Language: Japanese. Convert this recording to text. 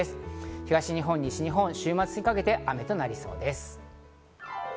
東日本西日本、週末にかけて雨となりそうです。